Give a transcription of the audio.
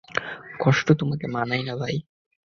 কষ্ট তোমাকে মানায় না ভাই।